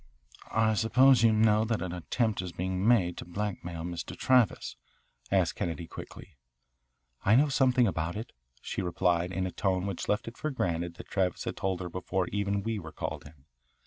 "I suppose you know that an attempt is being made to blackmail Mr. Travis?" added Kennedy quickly. "I know something about it," she replied in a tone which left it for granted that Travis had told her before even we were called in.